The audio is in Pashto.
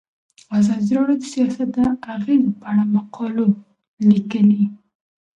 ازادي راډیو د سیاست د اغیزو په اړه مقالو لیکلي.